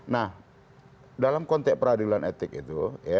nah dalam konteks peradilan etik itu